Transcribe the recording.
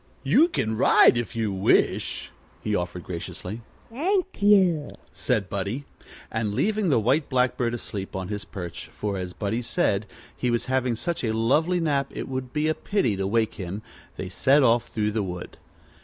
"You can ride if you wish," he offered graciously. "Thank you," said Buddie. And leaving the White Blackbird asleep on his perch, for, as Buddie said, he was having such a lovely nap it would be a pity to wake him, they set off through the wood.